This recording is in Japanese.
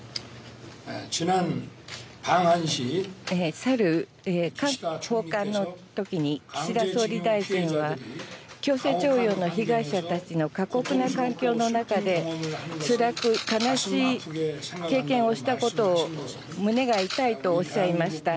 さる韓国訪韓のときに、岸田総理大臣は、強制徴用の被害者たちの過酷な環境の中で、つらく悲しい経験をしたことを、胸が痛いとおっしゃいました。